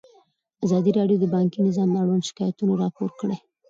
ازادي راډیو د بانکي نظام اړوند شکایتونه راپور کړي.